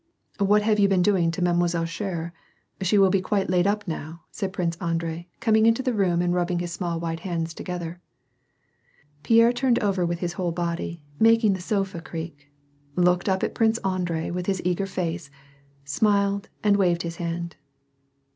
" What have you been doing to Mile. Scherer ? She will be quite laid up now," said Prince Andrei, coming into the room and rubbing his small white hands together. Pierre turned over with his whole body, making the sofa creak, looked up at Prince Andrei with his eager face, smiled and waved his hand.